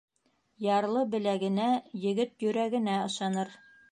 Ярлы беләгенә, егет йөрәгенә ышаныр.